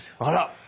あら！